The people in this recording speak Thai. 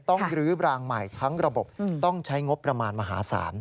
รื้อบรางใหม่ทั้งระบบต้องใช้งบประมาณมหาศาล